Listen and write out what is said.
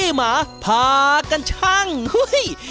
วิธีการทำก็ไม่ยากครับเพียงแค่นำข้าวตากแห้งมาทอดให้ผ่อง